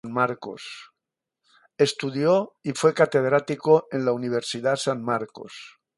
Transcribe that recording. Estudió y fue catedrático en la Universidad San Marcos.